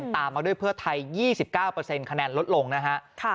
ตามมาด้วยเพื่อไทย๒๙คะแนนลดลงนะฮะ